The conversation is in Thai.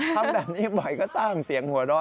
ทำแบบนี้บ่อยก็สร้างเสียงหัวเราะ